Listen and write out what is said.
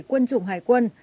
quân chủng hải quân